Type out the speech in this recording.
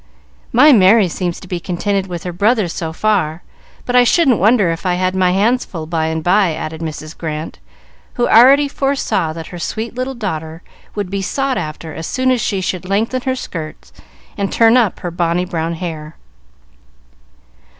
"My Merry seems to be contented with her brothers so far, but I shouldn't wonder if I had my hands full by and by," added Mrs. Grant, who already foresaw that her sweet little daughter would be sought after as soon as she should lengthen her skirts and turn up her bonny brown hair.